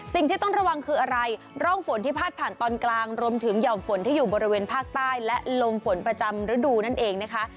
สิ่งที่ต้องระวังคืออะไรร่องฝนที่พาดผ่านตอนกลางรวมถึงหย่อมฝนที่อยู่บริเวณภาคใต้และลมฝนประจำฤดูนั่นเองนะคะ